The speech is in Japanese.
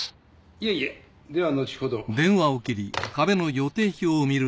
いえいえでは後ほど。